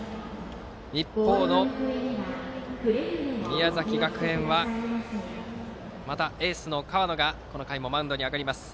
一方の宮崎学園はまたエースの河野がこの回もマウンドに上がります。